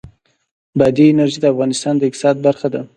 بادي انرژي د افغانستان د اقتصاد برخه ده.